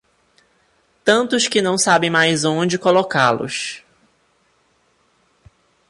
Tantos que não sabem mais onde colocá-los.